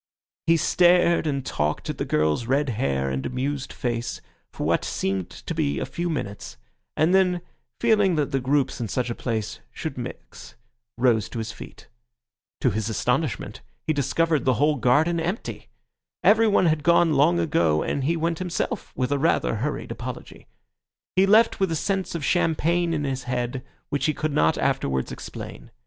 He stared and talked at the girl's red hair and amused face for what seemed to be a few minutes; and then, feeling that the groups in such a place should mix, rose to his feet. To his astonishment, he discovered the whole garden empty. Everyone had gone long ago, and he went himself with a rather hurried apology. He left with a sense of champagne in his head, which he could not afterwards explain.